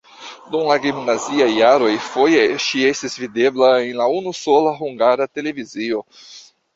Dum la gimnaziaj jaroj foje ŝi estis videbla en la unusola Hungara Televizio.